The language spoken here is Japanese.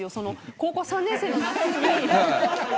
高校３年生の夏に。